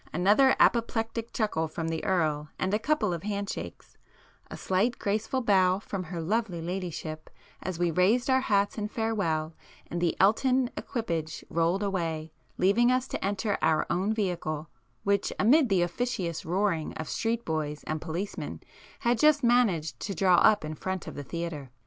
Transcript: Another apoplectic chuckle from the Earl and a couple of handshakes,—a slight graceful bow from her lovely ladyship, as we raised our hats in farewell, and the Elton equipage rolled away, leaving us to enter our own vehicle, which amid the officious roarings of street boys and policemen had just managed to draw up in front of the theatre.